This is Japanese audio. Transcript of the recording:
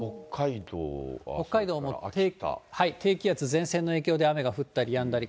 北海道も低気圧、前線の影響で雨が降ったりやんだり。